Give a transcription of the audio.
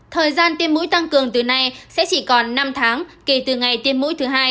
thời gian tiêm mũi tăng cường từ nay sẽ chỉ còn năm tháng kể từ ngày tiêm mũi thứ hai